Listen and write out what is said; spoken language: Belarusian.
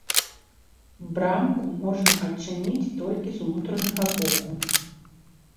Брамку можна адчыніць толькі з унутранага боку.